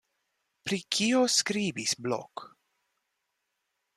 Pri kio skribis Blok?